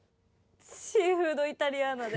シーフードイタリアーナで。